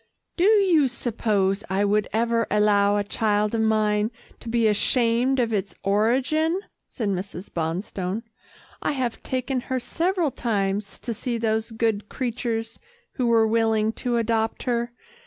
"Do you suppose I would ever allow a child of mine to be ashamed of its origin?" said Mrs. Bonstone. "I have taken her several times to see those good creatures who were willing to adopt her.